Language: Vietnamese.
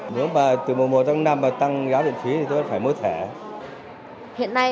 nếu mà từ mùa một đến mùa năm tăng giá viện phí thì tôi phải mua thẻ